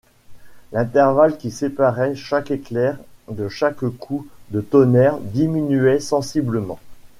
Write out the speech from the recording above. L’intervalle qui séparait chaque éclair de chaque coup de tonnerre diminuait sensiblement